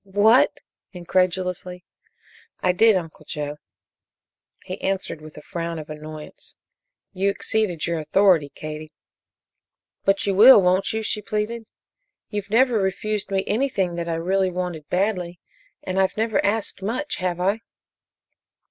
"What!" incredulously. "I did, Uncle Joe." He answered with a frown of annoyance: "You exceeded your authority, Katie." "But you will, won't you?" she pleaded. "You've never refused me anything that I really wanted badly, and I've never asked much, have I?"